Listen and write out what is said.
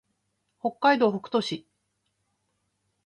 北海道北斗市